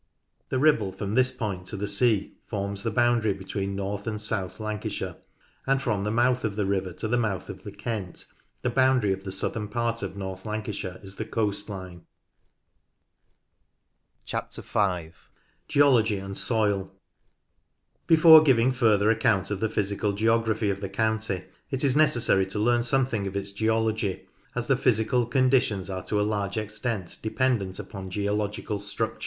The Ribble from this point to the sea forms the SHAPE BOUNDARIES 17 boundary between North and South Lancashire, and from the mouth of the river to the mouth of the Kent, the boundary of the southern part of North Lancashire is the coast line. Skelwith Force '{Boundary between Lancashire and Westmorland) 5. Geology and Soil. Before giving further account of the physical geography of the county it is necessary to learn something of its geology, as the physical conditions are to a large extent dependent upon geological structure.